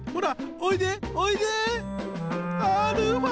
おいで！